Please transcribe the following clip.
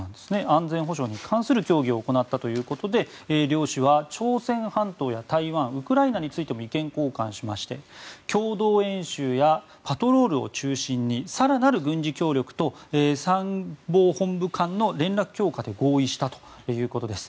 安全保障に関する協議を行ったということで両氏は朝鮮半島や台湾ウクライナについても意見交換しまして共同演習やパトロールを中心に更なる軍事協力と参謀本部間の連絡強化で合意したということです。